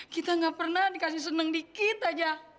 kita gak pernah dikasih senang dikit aja